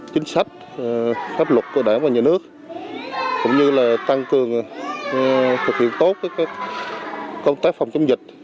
chính sách pháp luật của đảng và nhà nước cũng như là tăng cường thực hiện tốt công tác phòng chống dịch